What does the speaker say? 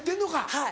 はい。